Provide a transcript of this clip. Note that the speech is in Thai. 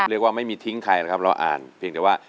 เรียกว่าไม่มีทิ้งใครนะครับเราอ่านเพียงแต่ว่า